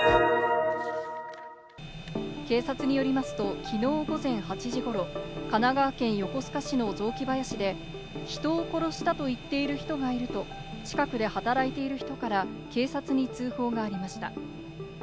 警察によりますと、きのう午前８時ごろ、神奈川県横須賀市の雑木林で、人を殺したと言っている人がいると近くで働いている人から警察に通報がありました。